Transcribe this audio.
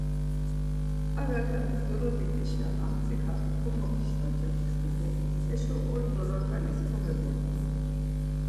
Ar raǩanis golobit̆işa, Ar mtsika komobişvaca ptvi do heşo ordzo raǩanis komebodgi.